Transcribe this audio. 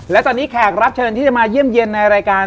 และตอนนี้แขกรับเชิญที่จะมาเยี่ยมเยี่ยมในรายการ